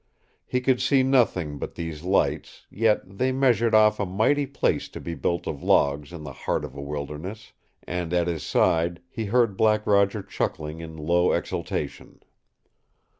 He could see nothing but these lights, yet they measured off a mighty place to be built of logs in the heart of a wilderness, and at his side he heard Black Roger chuckling in low exultation.